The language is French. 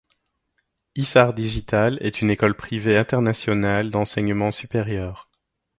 Isart Digital est une école privée internationale d’enseignement supérieur.